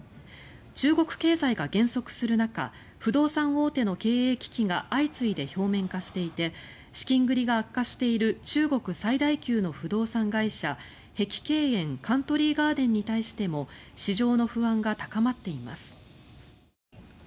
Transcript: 中国経済が減速する中不動産大手の経営危機が相次いで表面化していて資金繰りが悪化している中国最大級の不動産会社碧桂園＝カントリー・ガーデンに対しても市場の不安が高まっています。